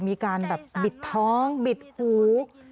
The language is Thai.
มีการแบบบิดท้องบิดหู